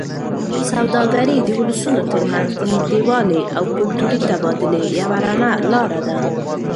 سوداګري د ولسونو ترمنځ د نږدېوالي او کلتوري تبادلې یوه رڼه لاره ده.